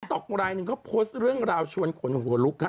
ต๊อกลายหนึ่งเขาโพสต์เรื่องราวชวนขนหัวลุกฮะ